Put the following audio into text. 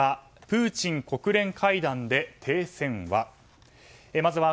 プーチン国連会談で停戦は。